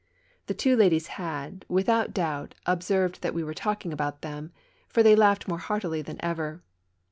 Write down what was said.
The two ladies had, without doubt, observed that we were talking about them, for they laughed more heartily than ever.